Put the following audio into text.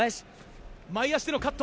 前足でのカット。